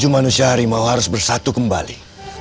manusia harimau harus bersatu kembali